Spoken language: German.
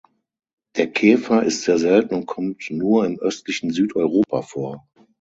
Der Käfer ist sehr selten und kommt nur im östlichen Südeuropa vor.